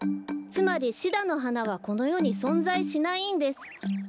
つまりシダのはなはこのよにそんざいしないんです。